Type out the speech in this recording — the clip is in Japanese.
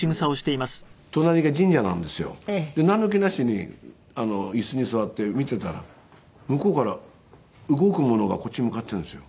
でなんの気なしに椅子に座って見てたら向こうから動くものがこっち向かってるんですよ。